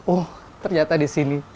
oh ternyata di sini